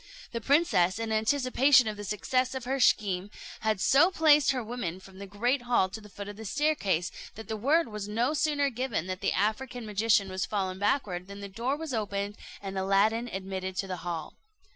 The princess, in anticipation of the success of her scheme, had so placed her women from the great hall to the foot of the staircase, that the word was no sooner given that the African magician was fallen backward, than the door was opened, and Aladdin admitted to the hall.